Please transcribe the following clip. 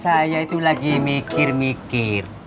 saya itu lagi mikir mikir